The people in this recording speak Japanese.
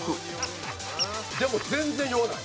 「でも全然酔わない」